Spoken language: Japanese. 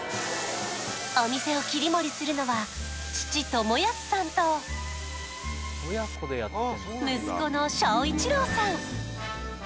お店を切り盛りするのは父朋安さんと息子の翔一郎さん